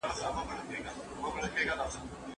مذهب بايد د سولي وسيله وي.